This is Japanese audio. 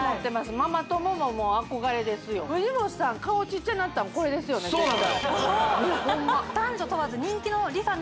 ママ友ももう憧れですよ藤本さん顔ちっちゃなったのこれですよね絶対そうなのよ